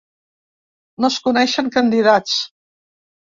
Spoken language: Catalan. No es coneixen candidats.